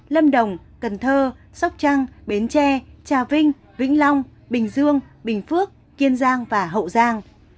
lâm đồng cần thơ sóc trăng bến tre trà vinh vĩnh long bình dương bình phước kiên giang và hậu giang